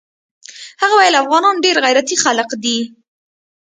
هغه ويل افغانان ډېر غيرتي خلق دي.